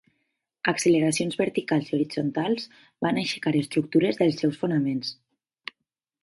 Acceleracions verticals i horitzontals van aixecar estructures dels seus fonaments.